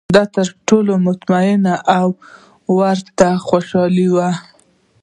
دای ترې مطمین او ورته خوشاله و.